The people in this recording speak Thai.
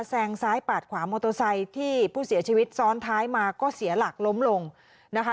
แซงซ้ายปาดขวามอเตอร์ไซค์ที่ผู้เสียชีวิตซ้อนท้ายมาก็เสียหลักล้มลงนะคะ